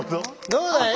どうだい？